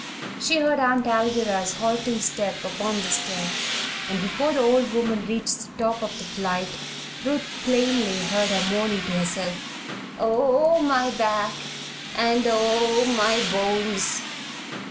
She heard Aunt Alvirah's halting step upon the stair and before the old woman reached the top of the flight, Ruth plainly heard her moaning to herself: "Oh, my back! and oh, my bones!"